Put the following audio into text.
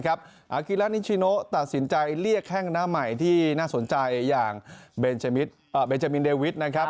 อากิระนิชิโนตัดสินใจเรียกแข้งหน้าใหม่ที่น่าสนใจอย่างเบนจามินเดวิทนะครับ